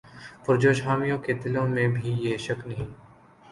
پرجوش حامیوں کے دلوں میں بھی یہ شک نہیں